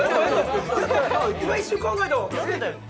今一瞬考えたわ。